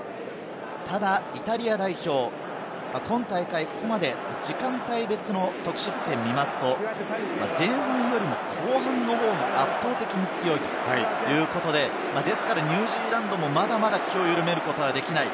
ただイタリア代表、今大会、ここまで時間帯別の得失点を見ると、前半よりも後半の方が圧倒的に強いということで、ニュージーランドも、まだまだ気を緩めることはできない。